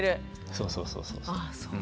そうそうそうそうそう。